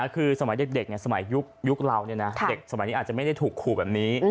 คือสมัยเด็กสมัยยุคเราเด็กสมัยนี้อาจจะไม่ได้ถูกขู่แบบนี้